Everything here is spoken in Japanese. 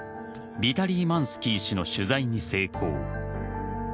ビタリー・マンスキー氏の取材に成功。